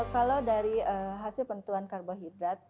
kalau dari hasil penentuan karbohidrat